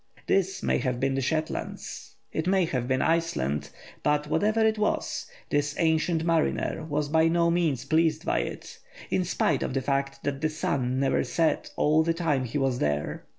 This may have been the Shetlands; it may have been Iceland; but whatever it was, this ancient mariner was by no means pleased with it, in spite of the fact that the sun never set all the time he was there.